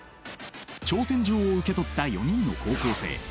挑戦状を受け取った４人の高校生。